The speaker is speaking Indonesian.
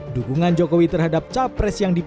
dukungan jokowi terhadap capres